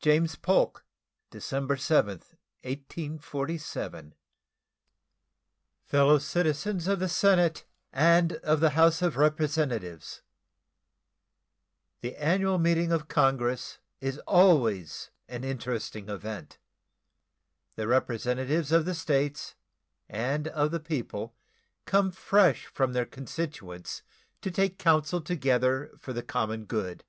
JAMES K. POLK State of the Union Address James Polk December 7, 1847 Fellow Citizens of the Senate and of the House of Representatives: The annual meeting of Congress is always an interesting event. The representatives of the States and of the people come fresh from their constituents to take counsel together for the common good.